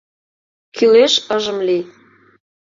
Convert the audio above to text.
Кӱлеш ыжым лий.